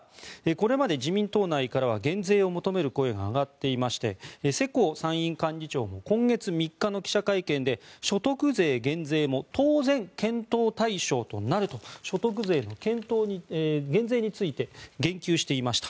これまで自民党内からは減税を求める声が上がっていまして世耕参院幹事長も今月３日の記者会見で所得税減税も当然、検討対象となると所得税の減税について言及していました。